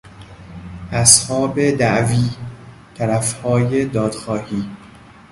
اصحاب دعوی، طرفهای دادخواهی